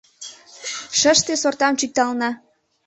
Шыште сортам чӱкталына.